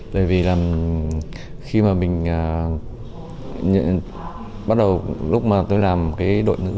bởi vì là khi mà mình bắt đầu lúc mà tôi làm cái đội nữ